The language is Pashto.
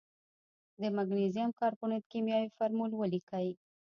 د مګنیزیم کاربونیټ کیمیاوي فورمول ولیکئ.